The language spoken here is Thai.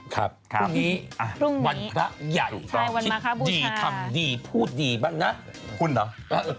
ครับพรุ่งนี้วันพระใหญ่ก็คิดดีทำดีพูดดีบ้างนะคุณเหรอ